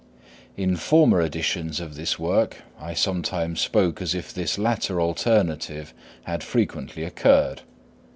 In former editions of this work I sometimes spoke as if this latter alternative had frequently occurred.